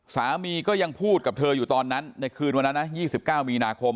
สามีก็ยังพูดกับเธออยู่ตอนนั้นในคืนวันนั้นนะ๒๙มีนาคม